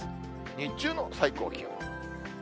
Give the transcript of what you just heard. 日中の最高気温。